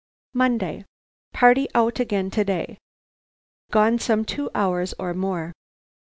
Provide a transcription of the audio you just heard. "Monday. "Party out again to day, gone some two hours or more.